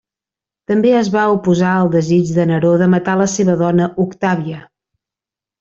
També es va oposar al desig de Neró de matar la seva dona Octàvia.